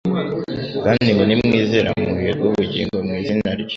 Kandi ngo nimwizera muherwe ubugingo mu izina rye'.